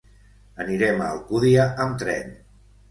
Anirem a Alcúdia amb tren.